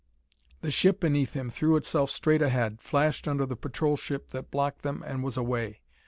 The ship beneath him threw itself straight ahead, flashed under the patrol ship that blocked them, and was away.